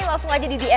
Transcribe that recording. langsung aja di dm ya